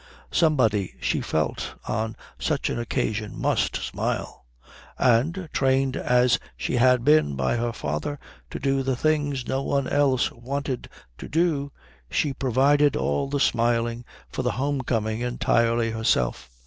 Somebody, she felt, on such an occasion must smile, and, trained as she had been by her father to do the things no one else wanted to do, she provided all the smiling for the home coming entirely herself.